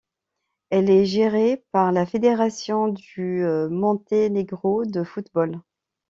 Elle est gérée par la Fédération du Monténégro de football.